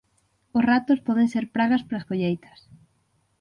Os ratos poden ser pragas para as colleitas.